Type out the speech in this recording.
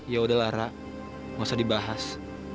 ya udahlah ra masa dibahas